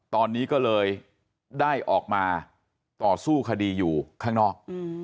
ตอนนี้ก็เลยได้ออกมาต่อสู้คดีอยู่ข้างนอก